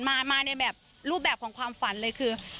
มาในแบบรูปแบบของความฝันเลยคือ